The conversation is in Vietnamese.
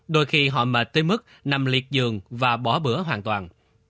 đôi khi họ mệt tới mức nằm liệt giường và bỏ bữa hoàn toàn